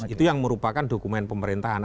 itu yang merupakan dokumen pemerintahan